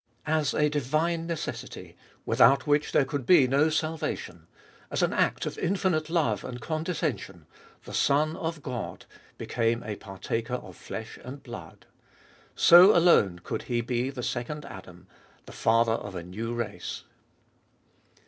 As a divine necessity, without which there could be no salvation, as an act of infinite love and condescen sion, the Son of God became a partaker of flesh and blood. So alone could He be the Second Adam, the Father of a new race.